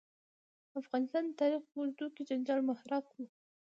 افغانستان د تاریخ په اوږدو کې د جنجال محراق و.